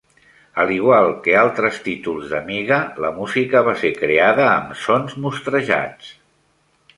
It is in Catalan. Al igual que altres títols d'Amiga, la música va ser creada amb sons mostrejats.